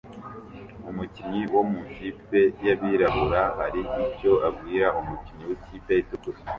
Umukinnyi wo mu ikipe yabirabura hari icyo abwira umukinnyi wikipe itukura